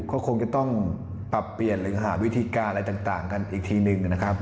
ก็คงจะต้องปรับเปลี่ยนหรือหาวิธีการอะไรต่างกันอีกทีหนึ่งนะครับ